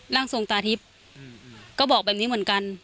ร่างทรงตาทิพย์ก็บอกแบบนี้เหมือนกัน